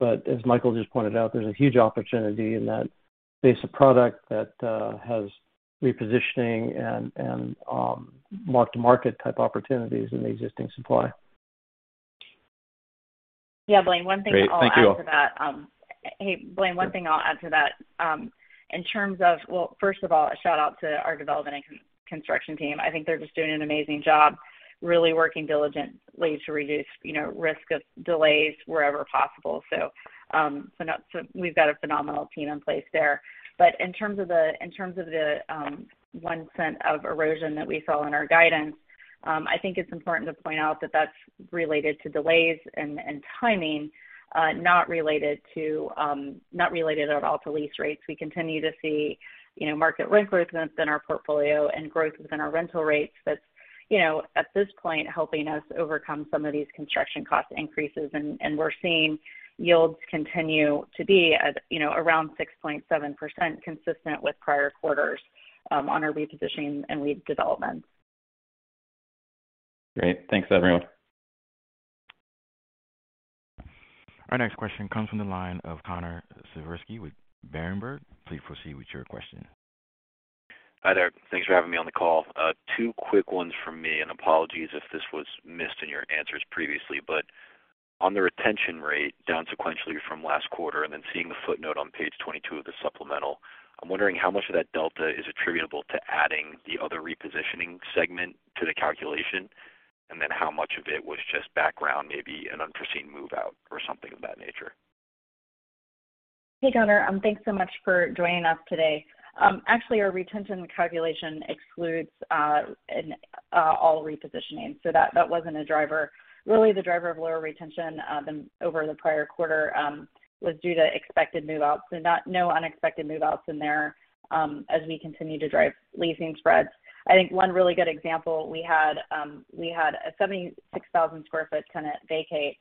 As Michael just pointed out, there's a huge opportunity in that base of product that has repositioning and mark-to-market type opportunities in the existing supply. Yeah. Blaine, one thing I'll add to that. Great. Thank you all. Hey, Blaine, one thing I'll add to that. Well, first of all, a shout-out to our development and construction team. I think they're just doing an amazing job really working diligently to reduce, you know, risk of delays wherever possible. We've got a phenomenal team in place there. But in terms of the $0.01 of erosion that we saw in our guidance, I think it's important to point out that that's related to delays and timing, not related at all to lease rates. We continue to see, you know, market rent growth within our portfolio and growth within our rental rates. That's, you know, at this point, helping us overcome some of these construction cost increases, and we're seeing yields continue to be at, you know, around 6.7%, consistent with prior quarters, on our repositioning and redevelopments. Great. Thanks, everyone. Our next question comes from the line of Connor Siversky with Berenberg. Please proceed with your question. Hi there. Thanks for having me on the call. Two quick ones from me, and apologies if this was missed in your answers previously. On the retention rate down sequentially from last quarter and then seeing the footnote on page 22 of the supplemental, I'm wondering how much of that delta is attributable to adding the other repositioning segment to the calculation, and then how much of it was just background, maybe an unforeseen move-out or something of that nature? Hey, Connor. Thanks so much for joining us today. Actually, our retention calculation excludes all repositioning. That wasn't a driver. Really, the driver of lower retention than over the prior quarter was due to expected move-outs. No unexpected move-outs in there, as we continue to drive leasing spreads. I think one really good example, we had a 76,000 sq ft tenant vacate.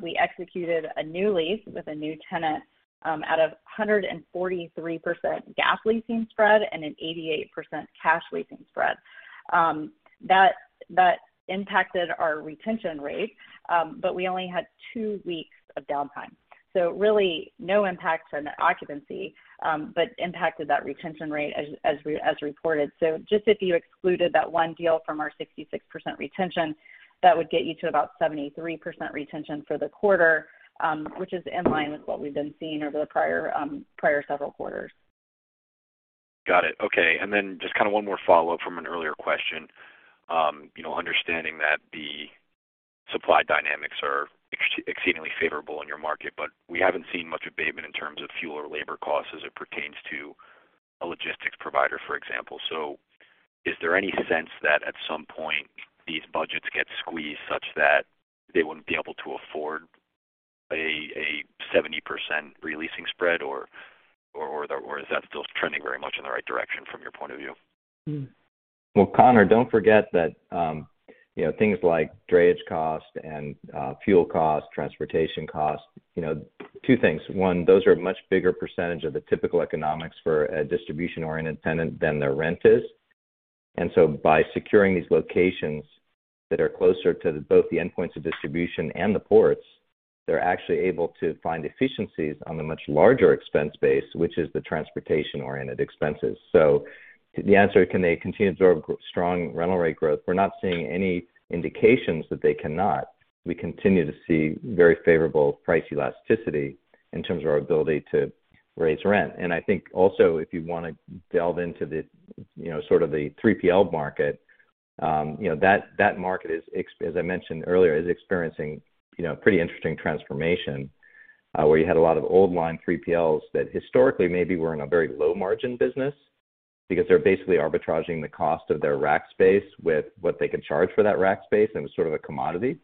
We executed a new lease with a new tenant at a 143% GAAP leasing spread and an 88% cash leasing spread. That impacted our retention rate, but we only had two weeks of downtime. Really no impact on occupancy, but impacted that retention rate as reported. Just if you excluded that one deal from our 66% retention, that would get you to about 73% retention for the quarter, which is in line with what we've been seeing over the prior several quarters. Got it. Okay. just kinda one more follow-up from an earlier question. You know, understanding that the supply dynamics are exceedingly favorable in your market, but we haven't seen much abatement in terms of fuel or labor costs as it pertains to a logistics provider, for example. Is there any sense that at some point these budgets get squeezed such that they wouldn't be able to afford a 70% re-leasing spread, or is that still trending very much in the right direction from your point of view? Well, Connor, don't forget that, you know, things like drayage cost and, fuel cost, transportation cost, you know, two things. One, those are a much bigger percentage of the typical economics for a distribution-oriented tenant than their rent is. By securing these locations that are closer to both the endpoints of distribution and the ports, they're actually able to find efficiencies on the much larger expense base, which is the transportation-oriented expenses. To the answer, can they continue to absorb strong rental rate growth? We're not seeing any indications that they cannot. We continue to see very favorable price elasticity in terms of our ability to raise rent. I think also if you wanna delve into the, you know, sort of the 3PL market, you know, that market, as I mentioned earlier, is experiencing, you know, pretty interesting transformation, where you had a lot of old line 3PLs that historically maybe were in a very low margin business because they're basically arbitraging the cost of their rack space with what they can charge for that rack space, and it was sort of a commodity.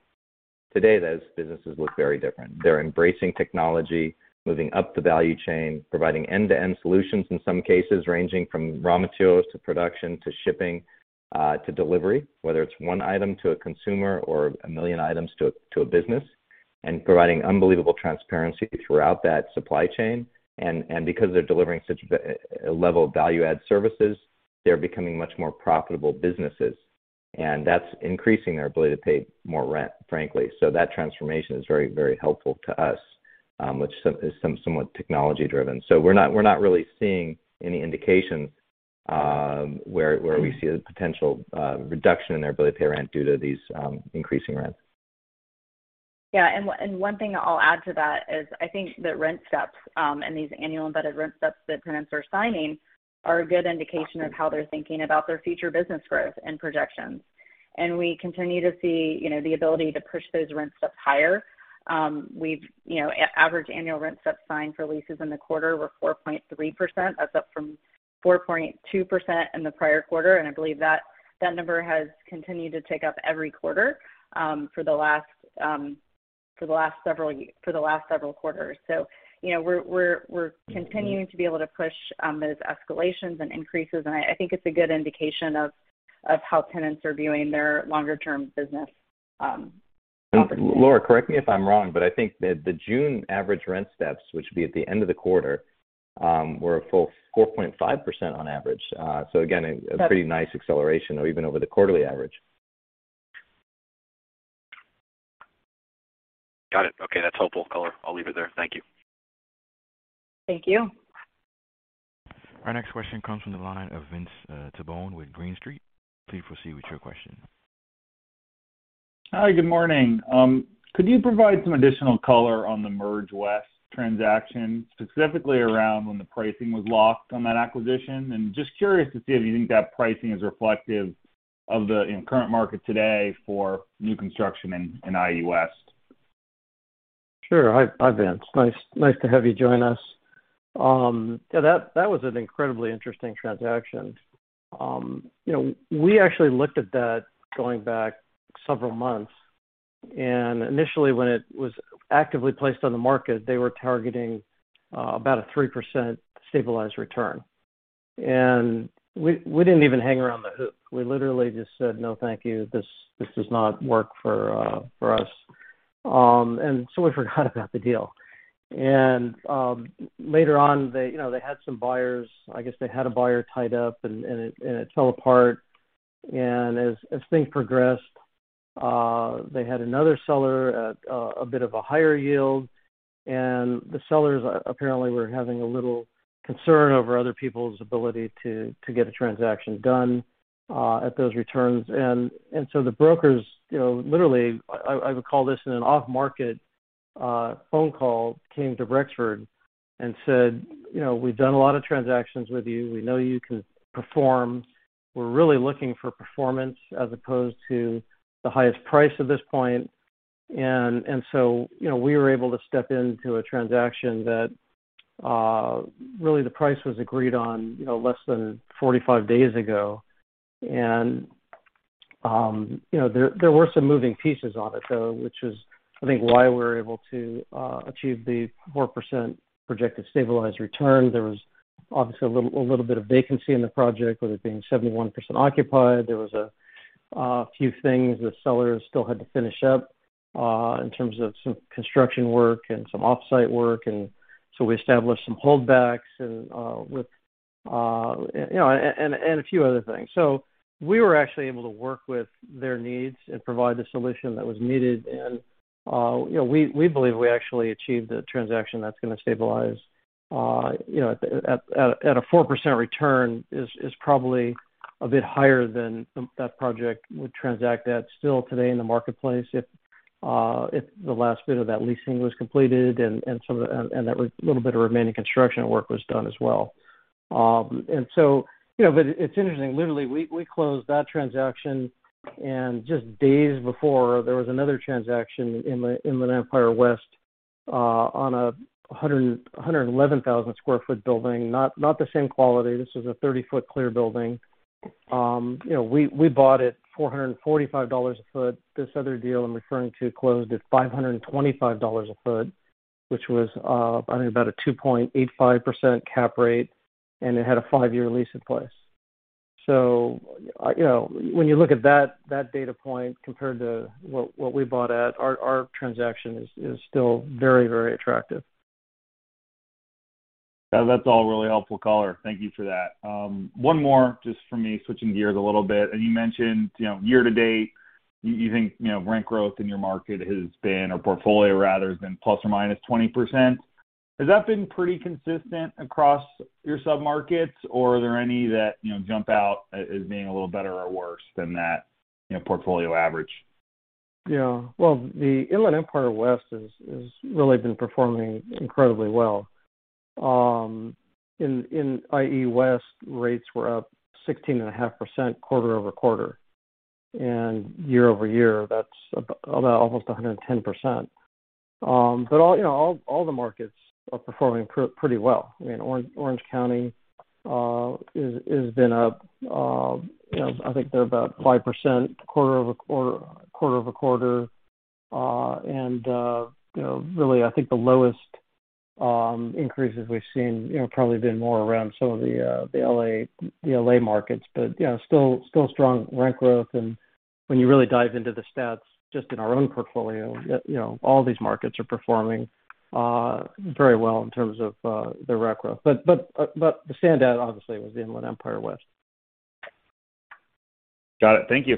Today, those businesses look very different. They're embracing technology, moving up the value chain, providing end-to-end solutions in some cases, ranging from raw materials to production to shipping, to delivery, whether it's one item to a consumer or a million items to a business. Providing unbelievable transparency throughout that supply chain. Because they're delivering such a level of value add services, they're becoming much more profitable businesses. That's increasing their ability to pay more rent, frankly. That transformation is very helpful to us, which is somewhat technology-driven. We're not really seeing any indication where we see a potential reduction in their ability to pay rent due to these increasing rents. Yeah. One thing I'll add to that is I think that rent steps and these annual embedded rent steps that tenants are signing are a good indication of how they're thinking about their future business growth and projections. We continue to see, you know, the ability to push those rent steps higher. Average annual rent steps signed for leases in the quarter were 4.3%. That's up from 4.2% in the prior quarter. I believe that number has continued to tick up every quarter for the last several quarters. You know, we're continuing to be able to push those escalations and increases, and I think it's a good indication of how tenants are viewing their longer term business opportunities. Laura, correct me if I'm wrong, but I think the June average rent steps, which would be at the end of the quarter, were a full 4.5% on average. Again, a pretty nice acceleration or even over the quarterly average. Got it. Okay, that's helpful color. I'll leave it there. Thank you. Thank you. Our next question comes from the line of Vince Tibone with Green Street. Please proceed with your question. Hi, good morning. Could you provide some additional color on the Merch West transaction, specifically around when the pricing was locked on that acquisition? Just curious to see if you think that pricing is reflective of the, you know, current market today for new construction in IE West. Sure. Hi, Vince. Nice to have you join us. That was an incredibly interesting transaction. You know, we actually looked at that going back several months, and initially when it was actively placed on the market, they were targeting about a 3% stabilized return. We didn't even hang around the hoop. We literally just said, "No, thank you. This does not work for us." We forgot about the deal. Later on, they, you know, had some buyers. I guess they had a buyer tied up and it fell apart. Things progressed. They had another seller at a bit of a higher yield, and the sellers apparently were having a little concern over other people's ability to get a transaction done at those returns. So the brokers, you know, literally I would call this in an off-market phone call, came to Rexford and said, you know, "We've done a lot of transactions with you. We know you can perform. We're really looking for performance as opposed to the highest price at this point." So, you know, we were able to step into a transaction that really the price was agreed on, you know, less than 45 days ago. You know, there were some moving pieces on it, though, which is, I think why we're able to achieve the 4% projected stabilized return. There was obviously a little bit of vacancy in the project, with it being 71% occupied. There was a few things the sellers still had to finish up in terms of some construction work and some offsite work. We established some holdbacks and with you know and a few other things. We were actually able to work with their needs and provide the solution that was needed. We believe we actually achieved a transaction that's gonna stabilize at a 4% return is probably a bit higher than that project would transact at still today in the marketplace if the last bit of that leasing was completed and that little bit of remaining construction work was done as well. You know, it's interesting. Literally, we closed that transaction, and just days before, there was another transaction in the Empire West on a 111,000 sq ft building. Not the same quality. This is a 30-foot clear building. You know, we bought it $445 a foot. This other deal I'm referring to closed at $525 a foot, which was, I think about a 2.85% cap rate, and it had a 5-year lease in place. You know, when you look at that data point compared to what we bought at, our transaction is still very, very attractive. Yeah, that's all really helpful color. Thank you for that. One more just for me, switching gears a little bit. You mentioned, you know, year to date, you think, you know, rent growth in your market has been, or portfolio rather has been ±20%. Has that been pretty consistent across your sub-markets, or are there any that, you know, jump out as being a little better or worse than that, you know, portfolio average? Yeah. Well, the Inland Empire West has really been performing incredibly well. In IE West, rates were up 16.5% quarter-over-quarter. Year over year, that's almost 110%. All you know all the markets are performing pretty well. I mean, Orange County has been up, you know, I think they're about 5% quarter-over-quarter. You know, really, I think the lowest increases we've seen, you know, probably been more around some of the the L.A. markets, but, you know, still strong rent growth. When you really dive into the stats, just in our own portfolio, you know, all these markets are performing very well in terms of their rent growth. The standout obviously was the Inland Empire West. Got it. Thank you.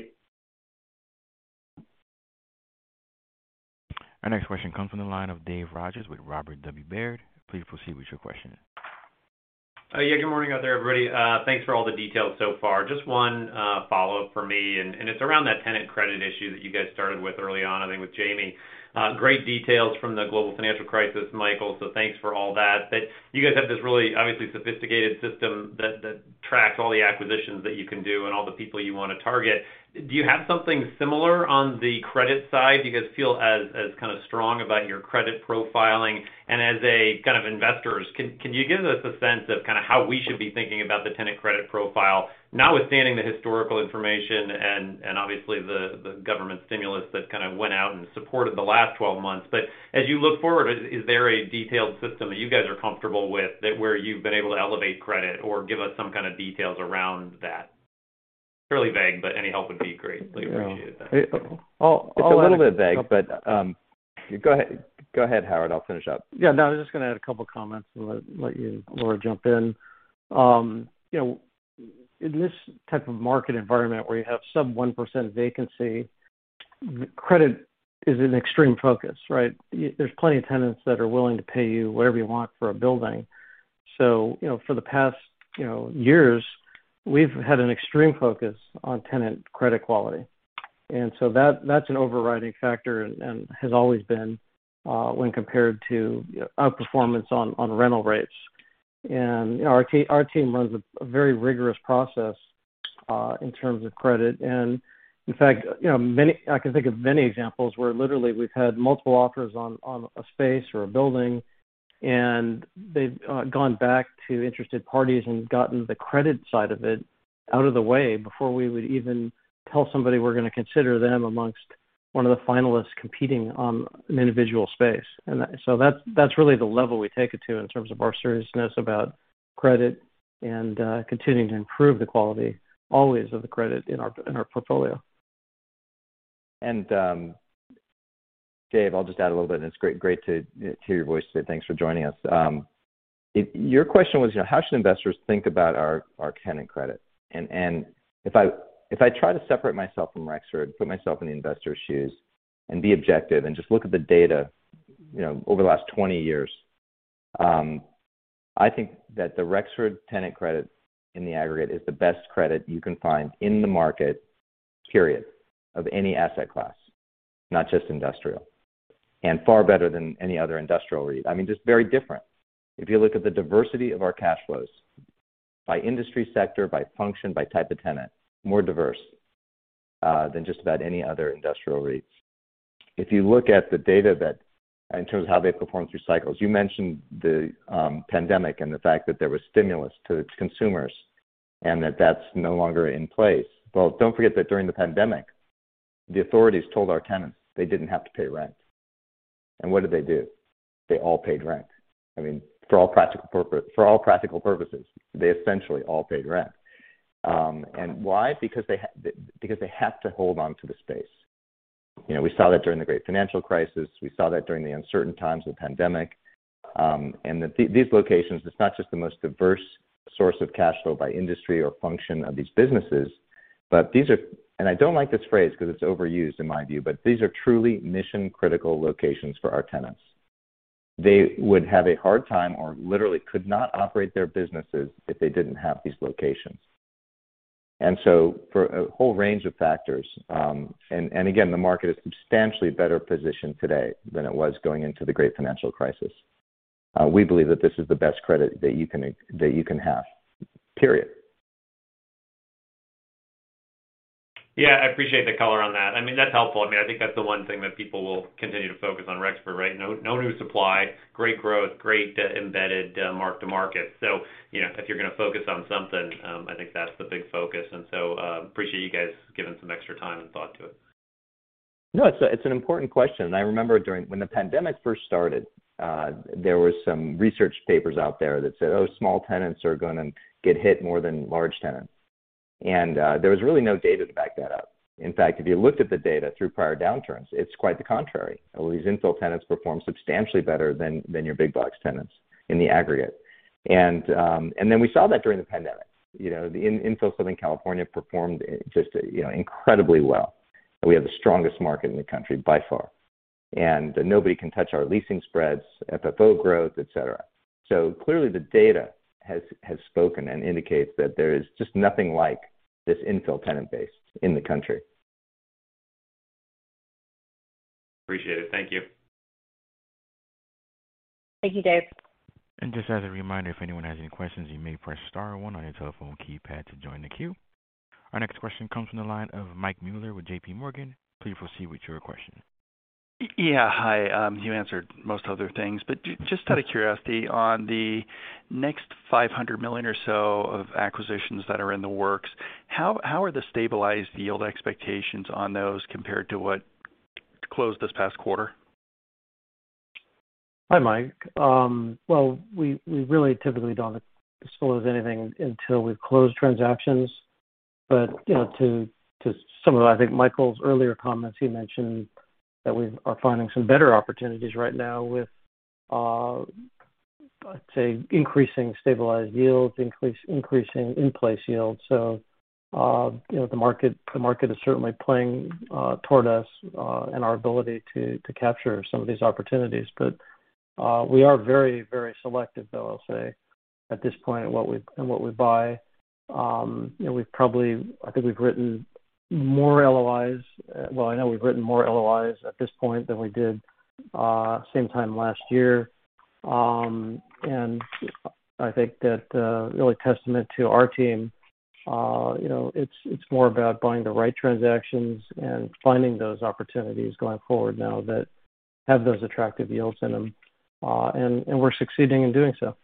Our next question comes from the line of Dave Rodgers with Robert W. Baird. Please proceed with your question. Yeah, good morning out there, everybody. Thanks for all the details so far. Just one follow-up for me, and it's around that tenant credit issue that you guys started with early on, I think with Jamie. Great details from the global financial crisis, Michael, so thanks for all that. You guys have this really obviously sophisticated system that tracks all the acquisitions that you can do and all the people you wanna target. Do you have something similar on the credit side? Do you guys feel as kind of strong about your credit profiling? As a kind of investors, can you give us a sense of kind of how we should be thinking about the tenant credit profile, notwithstanding the historical information and obviously the government stimulus that kind of went out and supported the last 12 months? As you look forward, is there a detailed system that you guys are comfortable with that where you've been able to elevate credit or give us some kind of details around that? It's really vague, but any help would be great. We appreciate that. I'll add It's a little bit vague, but, go ahead. Go ahead, Howard. I'll finish up. Yeah. No, I was just gonna add a couple of comments and let you, Laura, jump in. You know, in this type of market environment where you have sub 1% vacancy, credit is an extreme focus, right? There's plenty of tenants that are willing to pay you whatever you want for a building. You know, for the past, you know, years, we've had an extreme focus on tenant credit quality. That's an overriding factor and has always been, when compared to outperformance on rental rates. You know, our team runs a very rigorous process in terms of credit. In fact, you know, I can think of many examples where literally we've had multiple offers on a space or a building, and they've gone back to interested parties and gotten the credit side of it out of the way before we would even tell somebody we're gonna consider them amongst one of the finalists competing on an individual space. That's really the level we take it to in terms of our seriousness about credit and continuing to improve the quality always of the credit in our portfolio. Dave, I'll just add a little bit, and it's great to hear your voice today. Thanks for joining us. Your question was, you know, how should investors think about our tenant credit? If I try to separate myself from Rexford, put myself in the investor's shoes and be objective and just look at the data, you know, over the last 20 years, I think that the Rexford tenant credit in the aggregate is the best credit you can find in the market, period, of any asset class, not just industrial, and far better than any other industrial REIT. I mean, just very different. If you look at the diversity of our cash flows by industry sector, by function, by type of tenant, more diverse than just about any other industrial REITs. If you look at the data that in terms of how they perform through cycles, you mentioned the pandemic and the fact that there was stimulus to consumers and that that's no longer in place. Well, don't forget that during the pandemic, the authorities told our tenants they didn't have to pay rent. What did they do? They all paid rent. I mean, for all practical purposes, they essentially all paid rent. Why? Because they have to hold on to the space. You know, we saw that during the great financial crisis. We saw that during the uncertain times of the pandemic. These locations, it's not just the most diverse source of cash flow by industry or function of these businesses, but these are... I don't like this phrase because it's overused in my view, but these are truly mission-critical locations for our tenants. They would have a hard time or literally could not operate their businesses if they didn't have these locations. For a whole range of factors, again, the market is substantially better positioned today than it was going into the great financial crisis. We believe that this is the best credit that you can have, period. Yeah, I appreciate the color on that. I mean, that's helpful. I mean, I think that's the one thing that people will continue to focus on Rexford Industrial, right? No new supply, great growth, great embedded mark to market. You know, if you're gonna focus on something, I think that's the big focus. Appreciate you guys giving some extra time and thought to it. No, it's an important question. I remember when the pandemic first started, there were some research papers out there that said, oh, small tenants are gonna get hit more than large tenants. There was really no data to back that up. In fact, if you looked at the data through prior downturns, it's quite the contrary. All these infill tenants perform substantially better than your big box tenants in the aggregate. Then we saw that during the pandemic. The infill Southern California performed just incredibly well. We have the strongest market in the country by far, and nobody can touch our leasing spreads, FFO growth, et cetera. So clearly the data has spoken and indicates that there is just nothing like this infill tenant base in the country. Appreciate it. Thank you. Thank you, Dave. Just as a reminder, if anyone has any questions, you may press star one on your telephone keypad to join the queue. Our next question comes from the line of Michael Mueller with JPMorgan. Please proceed with your question. Yeah. Hi. Just out of curiosity, on the next $500 million or so of acquisitions that are in the works. How are the stabilized yield expectations on those compared to what closed this past quarter? Hi, Mike. Well, we really typically don't disclose anything until we've closed transactions. You know, to some of, I think, Michael's earlier comments, he mentioned that we are finding some better opportunities right now with, I'd say, increasing stabilized yields, increasing in-place yields. You know, the market is certainly playing toward us in our ability to capture some of these opportunities. We are very selective, though, I'll say, at this point in what we buy. You know, I think we've written more LOIs. Well, I know we've written more LOIs at this point than we did same time last year. I think that a real testament to our team, you know, it's more about buying the right transactions and finding those opportunities going forward now that have those attractive yields in them. We're succeeding in doing so.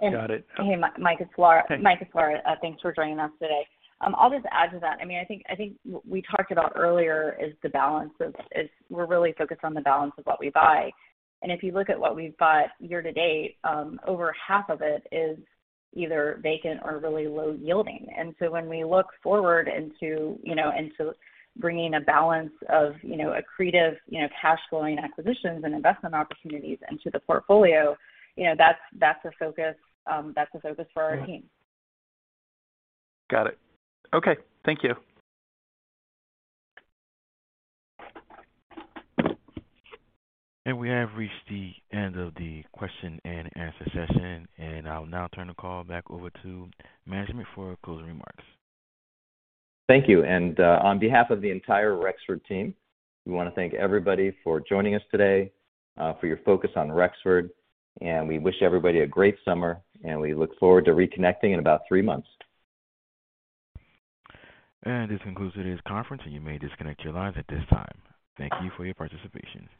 Got it. Hey, Mike, it's Laura. Mike, it's Laura. Thanks for joining us today. I'll just add to that. I mean, I think we talked about earlier is the balance. We're really focused on the balance of what we buy. If you look at what we've bought year-to-date, over half of it is either vacant or really low yielding. When we look forward into you know into bringing a balance of you know accretive you know cash flowing acquisitions and investment opportunities into the portfolio, you know that's a focus for our team. Got it. Okay. Thank you. We have reached the end of the question and answer session, and I'll now turn the call back over to management for closing remarks. Thank you. On behalf of the entire Rexford team, we wanna thank everybody for joining us today, for your focus on Rexford. We wish everybody a great summer, and we look forward to reconnecting in about three months. This concludes today's conference, and you may disconnect your lines at this time. Thank you for your participation.